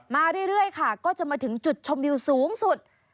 มาเรื่อยค่ะก็จะมาถึงจุดชมวิวสูงสุด